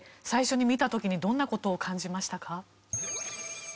最初に見た時にどんな事を感じましたか？